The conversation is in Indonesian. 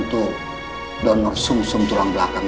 ya untuk donor sum sum tulang belakang